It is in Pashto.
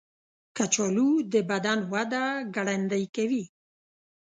کچالو د بدن وده ګړندۍ کوي.